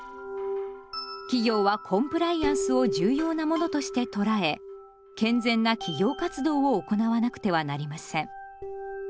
企業はコンプライアンスを重要なものとして捉え健全な企業活動を行わなくてはなりません。